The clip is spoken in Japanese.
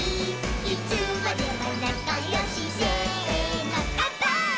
「いつまでもなかよしせーのかんぱーい！！」